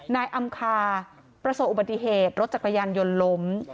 นายอำคาประสบอุบัติเหตุรถจักรยานยนต์ล้ม